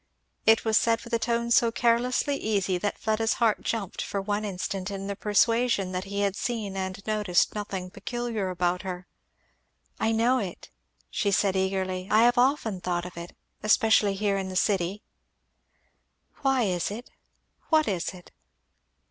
It was said with a tone so carelessly easy that Fleda's heart jumped for one instant in the persuasion that he had seen and noticed nothing peculiar about her. "I know it," she said eagerly, "I have often thought of it especially here in the city " "Why is it? what is it?